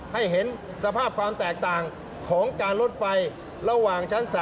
ให้เห็นสภาพความแตกต่างของการลดไฟระหว่างชั้น๓